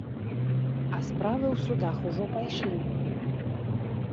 А справы ў судах ужо пайшлі!